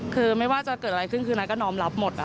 คือไม่ว่าจะเกิดอะไรขึ้นคือนัทก็นอมรับหมด